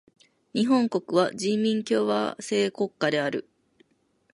日本国は人民共和制国家である。